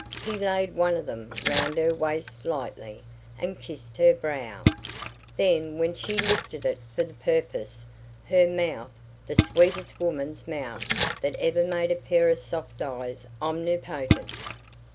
He laid one of them round her waist lightly, and kissed her brow; then, when she lifted it for the purpose, her mouth the sweetest woman's mouth that ever made a pair of soft eyes omnipotent.